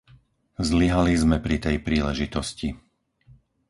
Zlyhali sme pri tej príležitosti.